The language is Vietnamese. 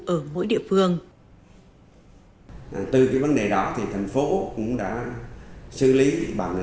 ở mỗi địa phương